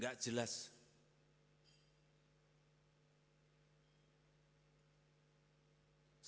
tidak ada yang bisa menghitung memprediksi akan berapa